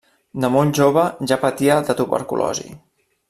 De molt jove ja patia de tuberculosi.